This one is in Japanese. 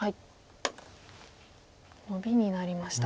ノビになりました。